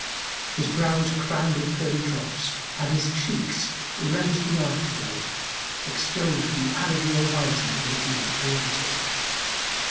His brow was crowned with pearly drops and his cheeks red as the afterglow, extolled be Allah the Almighty in that He hath created!